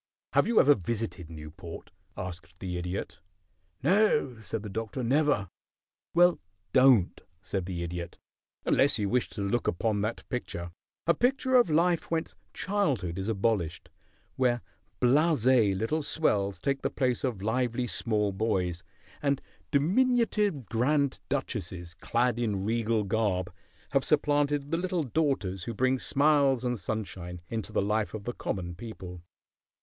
"Have you ever visited Newport?" asked the Idiot. "No," said the Doctor, "never." "Well, don't," said the Idiot, "unless you wish to look upon that picture a picture of life whence childhood is abolished; where blasé little swells take the place of lively small boys, and diminutive grand duchesses, clad in regal garb, have supplanted the little daughters who bring smiles and sunshine into the life of the common people.